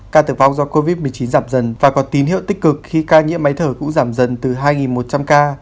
ca tử vong do covid một mươi chín giảm dần và có tín hiệu tích cực khi ca nhiễm máy thở cũng giảm dần từ hai một trăm linh ca